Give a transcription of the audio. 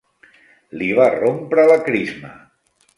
Li va rompre la crisma.